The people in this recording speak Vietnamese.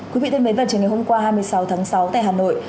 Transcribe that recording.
quý vị thân mến vào trường ngày hôm qua hai mươi sáu tháng sáu tại hà nội